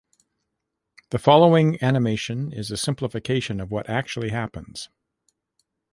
The following animation is a simplification of what actually happens.